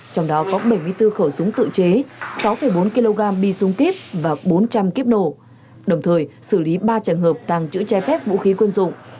trong đó có bảy mươi bốn khẩu súng tự chế sáu bốn kg bi súng kíp và bốn trăm linh kiếp nổ đồng thời xử lý ba trường hợp tàng chữ trái phép vũ khí quân dụng